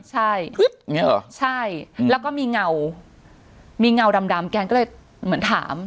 ใช่อย่างนี้เหรอใช่แล้วก็มีเงามีเงาดำแกก็เลยเหมือนถาม